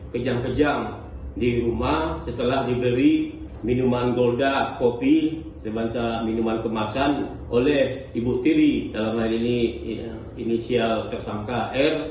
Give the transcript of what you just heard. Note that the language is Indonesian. kejang kejang di rumah setelah diberi minuman golda kopi dansa minuman kemasan oleh ibu tiri dalam hal ini inisial tersangka r